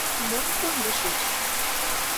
Мом кондышыч?